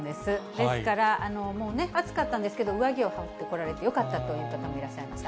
ですから、もうね、暑かったんですけど、上着を持ってこられてよかったという方もいらっしゃいました。